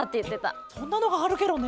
えっそんなのがあるケロね。